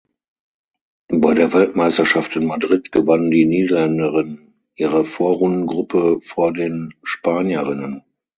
Bei der Weltmeisterschaft in Madrid gewannen die Niederländerinnen ihre Vorrundengruppe vor den Spanierinnen.